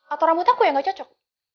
atau rambut aku yang gak cocok